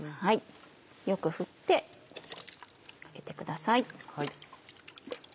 よく振ってかけてください。